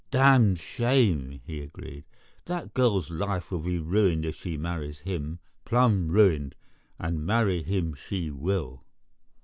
"Darned shame," he agreed. "That girl's life will be ruined if she marries him, plum' ruined, and marry him she will.